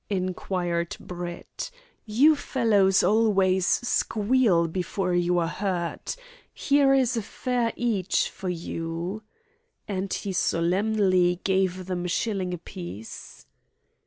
inquired Brett, "You fellows always squeal before you are hurt. Here is a fare each for you," and he solemnly gave them a shilling a piece.